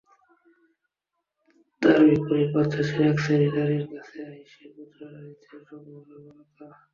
তার বিপরীতে পাশ্চাত্যের একশ্রেণির নারীর কাছে আইএসের প্রচারণা দিচ্ছে সম্ভাবনার বারতা।